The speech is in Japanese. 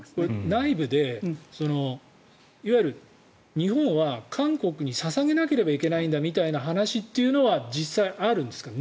内部でいわゆる日本は韓国に捧げなければいけないんだみたいな話は実際、あるんですか？